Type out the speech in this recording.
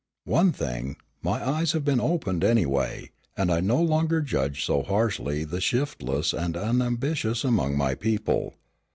One thing, my eyes have been opened anyway, and I no longer judge so harshly the shiftless and unambitious among my people.